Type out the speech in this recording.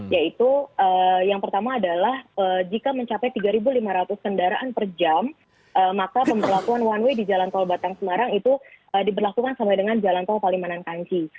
yaitu yang pertama adalah jika mencapai tiga lima ratus kendaraan per jam maka pemberlakuan one way di jalan tol batang semarang itu diberlakukan sampai dengan jalan tol palimanan kanci